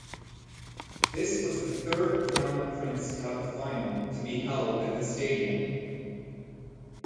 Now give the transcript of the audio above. This was the third Crown Prince Cup final to be held at the stadium.